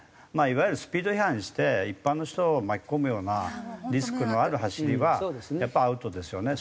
いわゆるスピード違反して一般の人を巻き込むようなリスクのある走りはやっぱりアウトですよね。